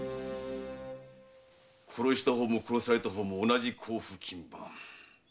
殺した方も殺された方も同じ甲府勤番。